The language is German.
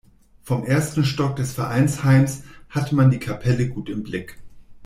Vom ersten Stock des Vereinsheims hat man die Kapelle gut im Blick.